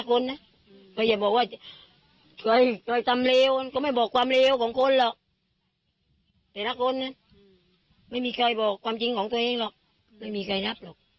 คุณเมฆสั้นไปนะพูดแบบนั้นนะ